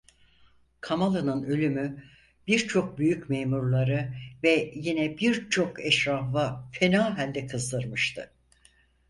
Kamalı'nın ölümü birçok büyük memurları ve yine birçok eşrafı fena halde kızdırmıştı.